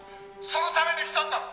そのために来たんだろ」